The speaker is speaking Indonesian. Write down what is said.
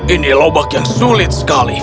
ini lobak yang sulit sekali